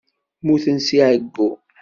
Mmutent seg ɛeyyu.